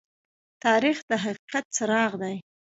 تاریخ د حقیقت څراغ دى.